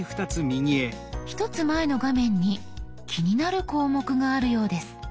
１つ前の画面に気になる項目があるようです。